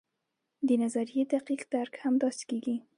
د نظریې دقیق درک همداسې کیږي.